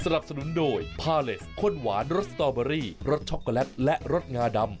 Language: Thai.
สนุนโดยพาเลสข้นหวานรสสตอเบอรี่รสช็อกโกแลตและรสงาดำ